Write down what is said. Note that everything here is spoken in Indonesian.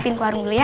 pin warung dulu ya